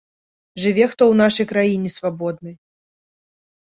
Жыве хто ў нашай краіне свабоднай.